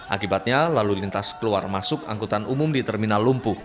akibatnya lalu lintas keluar masuk angkutan umum di terminal lumpuh